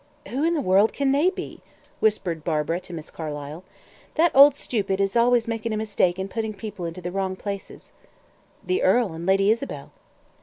"Who in the world can they be?" whispered Barbara to Miss Carlyle. "That old stupid is always making a mistake and putting people into the wrong places." "The earl and Lady Isabel."